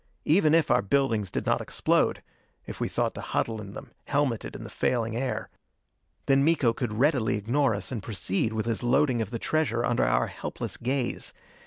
Even if our buildings did not explode if we thought to huddle in them, helmeted in the failing air then Miko could readily ignore us and proceed with his loading of the treasure under our helpless gaze.